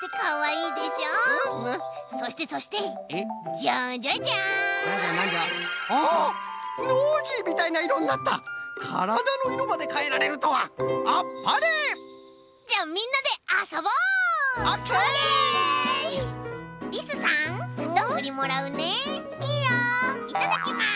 いただきます